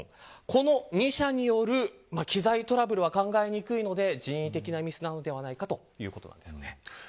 この２社による機材トラブルは考えにくいので人為的なミスなのではないかということです。